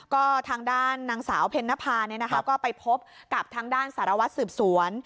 ก็ทางด้านนางสาวเพ็ญนภาก็ไปพบกับทางด้านสารวัตรสืบสวน